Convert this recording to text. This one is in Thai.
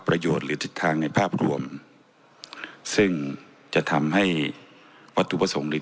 สร้างงานหรือแบบภากรวมซึ่งจะทำให้วัตถุประสงค์หรือ